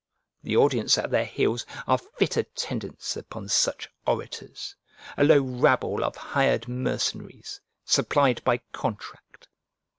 The audience at their heels are fit attendants upon such orators; a low rabble of hired mercenaries, supplied by contract.